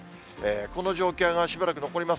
この状況がしばらく残ります。